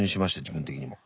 自分的にも。